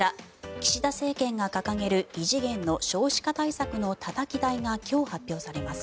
岸田政権が掲げる異次元の少子化対策のたたき台が今日、発表されます。